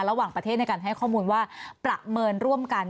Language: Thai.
ระหว่างประเทศในการให้ข้อมูลว่าประเมินร่วมกัน